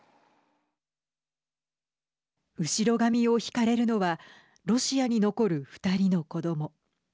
後ろ髪を引かれるのはロシアに残る２人の子ども。